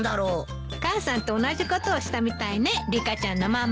母さんと同じことをしたみたいねリカちゃんのママ。